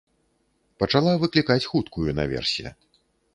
Пачала выклікаць хуткую наверсе.